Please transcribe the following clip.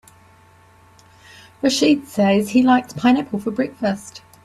Rachid said he likes pineapple for breakfast.